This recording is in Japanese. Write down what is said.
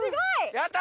やった！